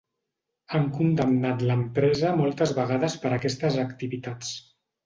Han condemnat l'empresa moltes vegades per aquestes activitats.